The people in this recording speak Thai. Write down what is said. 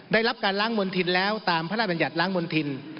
ได้รับการล้างมณฑินแล้วตามพระราชบัญญัติล้างมณฑิน